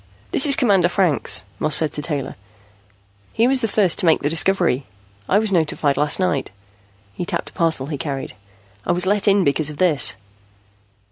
"This is Commander Franks," Moss said to Taylor. "He was the first to make the discovery. I was notified last night." He tapped a parcel he carried. "I was let in because of this."